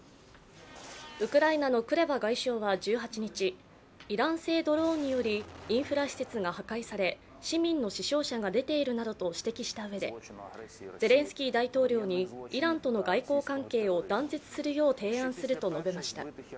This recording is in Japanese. ウクライナのクレバ外相は１８日、イラン製ドローンによりインフラ施設が破壊され市民の死傷者が出ているなどと指摘したうえでゼレンスキー大統領にイランとの外交関係を断絶するよう提案すると述べました。